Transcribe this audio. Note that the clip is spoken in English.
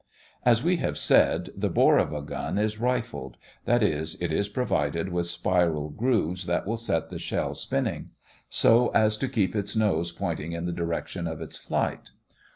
As we have said, the bore of a gun is rifled; that is, it is provided with spiral grooves that will set the shell spinning, so as to keep its nose pointing in the direction of its flight.